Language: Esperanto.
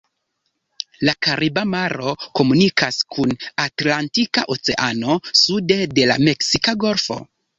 La Kariba maro komunikas kun Atlantika Oceano, sude de la Meksika Golfo.